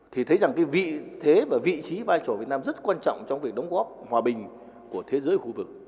thì thấy rằng cái vị thế và vị trí vai trò việt nam rất quan trọng trong việc đóng góp hòa bình của thế giới và khu vực